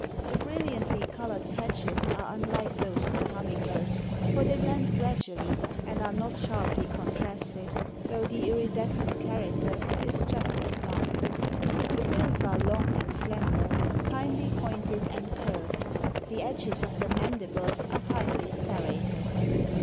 The brilliantly colored patches are unlike those of the hummingbirds for they blend gradually and are not sharply contrasted, though the iridescent character is just as marked. The bills are long and slender, finely pointed and curved. The edges of the mandibles are finely serrated.